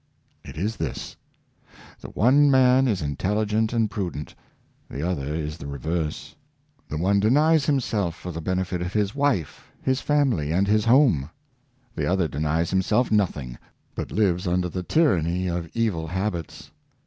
It is this: The one man is intelligent and prudent; the other is the reverse. The one denies himself for the benefit of his wife, his family, and his home; the other denies himself nothing, but lives under the tyranny of evil habits.